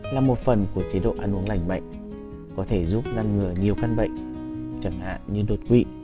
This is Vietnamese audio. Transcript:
là một phần của chế độ ăn uống lành mạnh có thể giúp ngăn ngừa nhiều căn bệnh chẳng hạn như đột quỵ